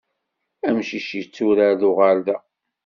Amcic yetturar d uɣerda.